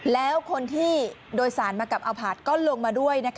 แล้วคนที่โดยสารมากับอัลพาร์ทก็ลงมาด้วย